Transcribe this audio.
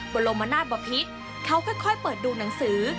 บรมนาศบพิษเขาค่อยเปิดดูหนังสือ